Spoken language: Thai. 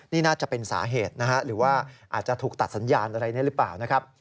นี่น่าจะเป็นสาเหตุนะฮะหรือว่าอาจจะถูกตัดสัญญาณอะไรนี้หรือเปล่านะครับ